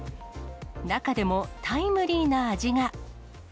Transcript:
中でも、タイムリーな味が。